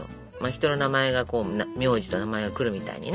人の名前が苗字と名前が来るみたいにね。